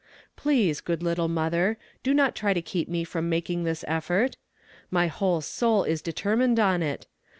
Please, good little mother, do not try to keep me from making this effort ; my whole soul is determined on it.